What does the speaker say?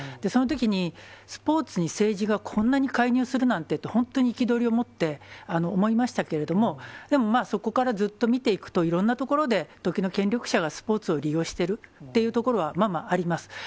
そのときにスポーツに政治がこんなに介入するなんてって、本当に憤りを持って思いましたけれども、でもそこからずっと見ていくと、いろんな所で、時の権力者がスポーツを利用しているというところはままあります。